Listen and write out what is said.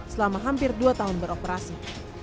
selama hampir dua tahun beroperasi